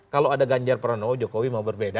kalau ada ganyar prabowo jokowi mau berbeda